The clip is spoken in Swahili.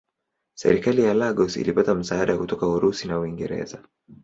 Serikali ya Lagos ilipata msaada kutoka Urusi na Uingereza.